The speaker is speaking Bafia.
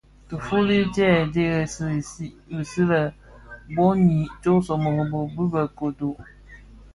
Tifufuli tye dheresi bisi lè bon i ntsōmōrōgō dhi be Kodo,